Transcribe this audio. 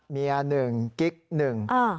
เมียหนึ่งกิ๊กหนึ่ง